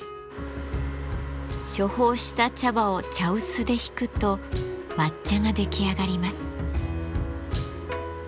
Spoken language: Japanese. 処方した茶葉を茶臼でひくと抹茶が出来上がります。